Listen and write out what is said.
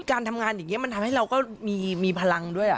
การทำงานอย่างนี้มันทำให้เราก็มีพลังด้วย